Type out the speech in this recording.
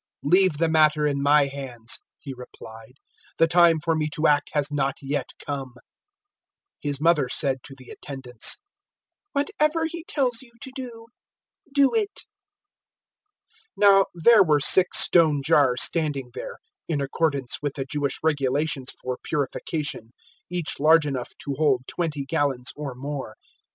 002:004 "Leave the matter in my hands," He replied; "the time for me to act has not yet come." 002:005 His mother said to the attendants, "Whatever he tells you to do, do it." 002:006 Now there were six stone jars standing there (in accordance with the Jewish regulations for purification), each large enough to hold twenty gallons or more.